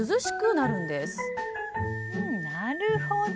なるほど。